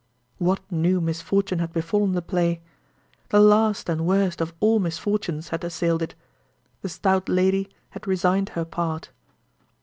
What new misfortune had befallen the play? The last and worst of all misfortunes had assailed it. The stout lady had resigned her part.